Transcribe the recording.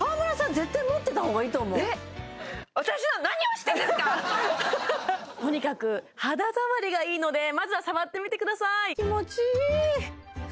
絶対持ってたほうがいいと思うとにかく肌触りがいいのでまずは触ってみてください